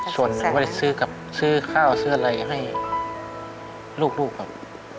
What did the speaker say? ส่วนหนึ่งไปซื้อข้าวซื้ออะไรให้ลูกแบบ